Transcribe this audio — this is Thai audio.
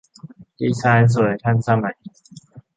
ดีไซน์สวย ทันสมัย